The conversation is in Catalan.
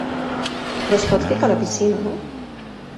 Però es pot ficar a la piscina, no?